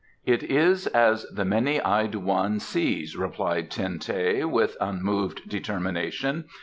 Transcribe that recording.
"It is as the Many Eyed One sees," replied Ten teh, with unmoved determination.